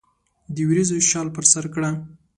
د وریځو شال پر سرکړه